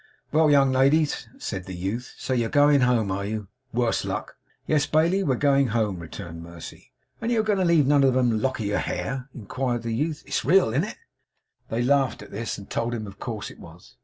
'Well, young ladies,' said the youth, 'so you're a going home, are you, worse luck?' 'Yes, Bailey, we're going home,' returned Mercy. 'An't you a going to leave none of 'em a lock of your hair?' inquired the youth. 'It's real, an't it?' They laughed at this, and told him of course it was.